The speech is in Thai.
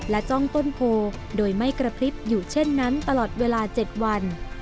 จ้องต้นโพโดยไม่กระพริบอยู่เช่นนั้นตลอดเวลา๗วัน